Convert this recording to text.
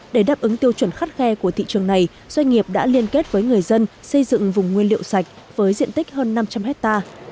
để đáp ứng tiêu chuẩn khắt khe của thị trường này doanh nghiệp đã liên kết với người dân xây dựng vùng nguyên liệu sạch với diện tích hơn năm trăm linh hectare